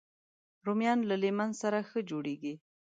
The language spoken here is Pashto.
رومیان له لیمن سره ښه جوړېږي